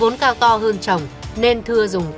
vốn cao to hơn chồng nên thưa dùng cơ sở